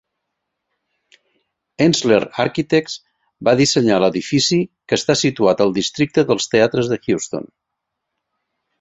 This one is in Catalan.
Ensler Architects va dissenyar l'edifici, que està situat al districte dels teatres de Houston.